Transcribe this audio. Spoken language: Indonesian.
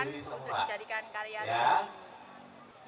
untuk dijadikan karya sendiri